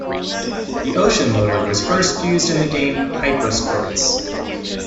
The Ocean Loader was first used in the game "Hyper Sports".